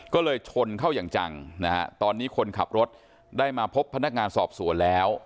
ก็เลยชนเข้าอย่างจังนะฮะตอนนี้คนขับรถได้มาพบพนักงานสอบสวนแล้ว